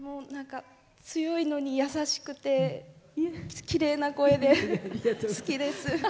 強いのに優しくてきれいな声で好きです。